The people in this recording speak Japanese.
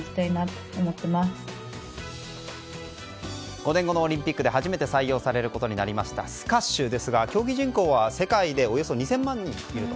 ５年後のオリンピックで初めて採用されることになったスカッシュですが競技人口は世界でおよそ２０００万人いると。